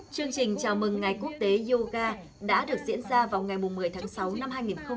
chương trình chào mừng ngày quốc tế yoga đã được diễn ra vào ngày một mươi tháng sáu năm hai nghìn hai mươi